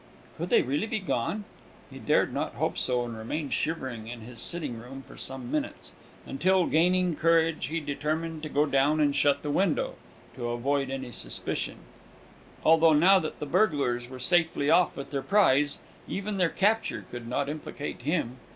Could they be really gone? He dared not hope so, and remained shivering in his sitting room for some minutes; until, gaining courage, he determined to go down and shut the window, to avoid any suspicion. Although now that the burglars were safely off with their prize, even their capture could not implicate him.